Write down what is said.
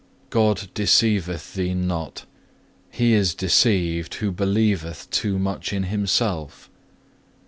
God deceiveth thee not; he is deceived who believeth too much in himself.